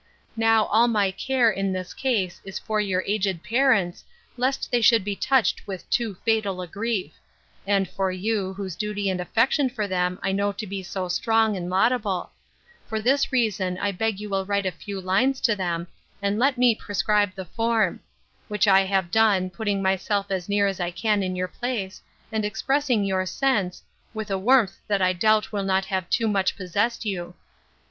'Now all my care in this case is for your aged parents, lest they should be touched with too fatal a grief; and for you, whose duty and affection for them I know to be so strong and laudable; for this reason I beg you will write a few lines to them, and let me prescribe the form; which I have done, putting myself as near as I can in your place, and expressing your sense, with a warmth that I doubt will have too much possessed you.